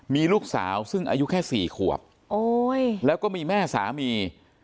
มีลูกสาวซึ่งอายุแค่๔ขวบแล้วก็มีแม่สามี